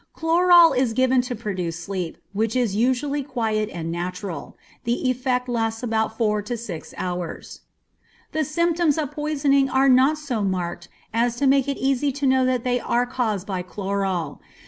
Chloral is given to produce sleep, which is usually quiet and natural. The effect lasts about four or six hours. The symptoms of poisoning are not so marked as to make it easy to know that they are caused by chloral.